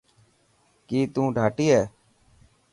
ڪي تون ڌاٽي هي.